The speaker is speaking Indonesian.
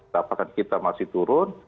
dapatan kita masih turun